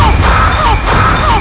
aduh gua masih capek